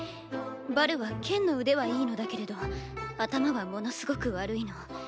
バルは剣の腕はいいのだけれど頭はものすごく悪いの。